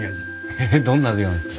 エヘヘッどんな味なんですか？